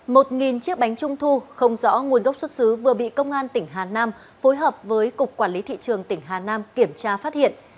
một chiếc bánh trung thu không rõ nguồn gốc xuất xứ vừa bị công an tỉnh hà nam phối hợp với cục quản lý thị trường tỉnh hà nam kiểm tra phát hiện